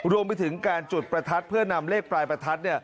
รวมไปถึงการจุดประทัดเพื่อนำเลขปลายประทัด